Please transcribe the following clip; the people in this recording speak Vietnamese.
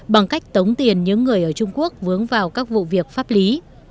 bằng cách tống tiền những người ở trung quốc vướng vào các vụ việc pháp lý